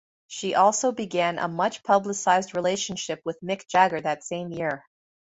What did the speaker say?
She also began a much publicised relationship with Mick Jagger that same year.